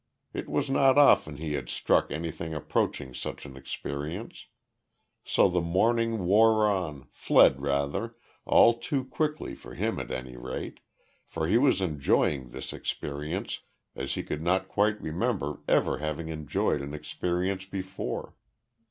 It was not often he had struck anything approaching such an experience. So the morning wore on fled, rather all too quickly for him at any rate; for he was enjoying this experience as he could not quite remember ever having enjoyed an experience before.